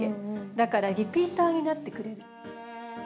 だからリピーターになってくれる。